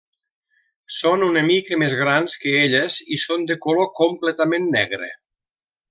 Són una mica més grans que elles i són de color completament negre.